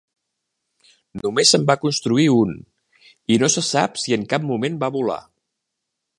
Només se'n va construir un, i no se sap si en cap moment va volar.